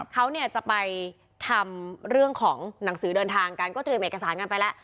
เขาเนี่ยจะไปทำเรื่องของหนังสือเดินทางกันก็เตรียมเอกสารกันไปแล้ว